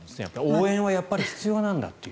応援は必要なんだと。